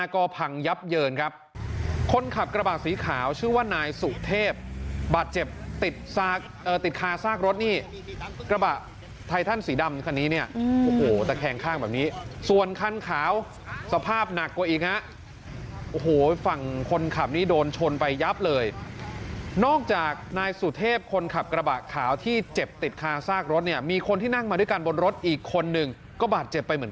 ก็พังยับเยินครับคนขับกระบะสีขาวชื่อว่านายสุเทพบาดเจ็บติดคาซากรถนี่กระบะไททันสีดำคันนี้เนี่ยโอ้โหตะแคงข้างแบบนี้ส่วนคันขาวสภาพหนักกว่าอีกฮะโอ้โหฝั่งคนขับนี้โดนชนไปยับเลยนอกจากนายสุเทพคนขับกระบะขาวที่เจ็บติดคาซากรถเนี่ยมีคนที่นั่งมาด้วยกันบนรถอีกคนนึงก็บาดเจ็บไปเหมือน